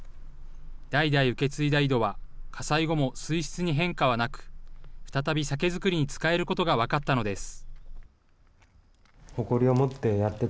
代々受け継いだ井戸は火災後も水質に変化はなく、再び酒造りに使えることが分かったのです。